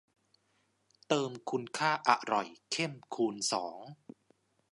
เติมคุณค่าอร่อยเข้มคูณสอง